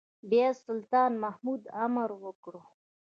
بيا سلطان محمود امر وکړ.